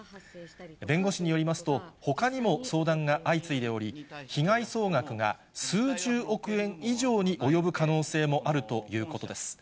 弁護士によりますと、ほかにも相談が相次いでおり、被害総額が数十億円以上に及ぶ可能性もあるということです。